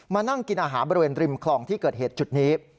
มานั่งกินอาหารบริเวณริมคลองที่เกิดเหตุจุดนี้